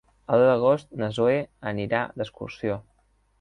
El deu d'agost na Zoè anirà d'excursió.